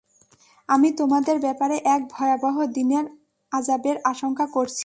আমি তোমাদের ব্যাপারে এক ভয়াবহ দিনের আযাবের আশংকা করছি।